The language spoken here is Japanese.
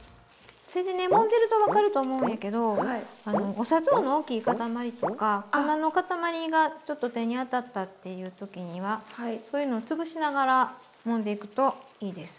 それでねもんでると分かると思うんやけどお砂糖の大きい塊とか粉の塊がちょっと手に当たったっていう時にはそういうの潰しながらもんでいくといいです。